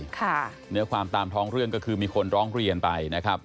เนื้อความตามท้องเรื่องก็คือมีคนร้องเรียนไปนะครับ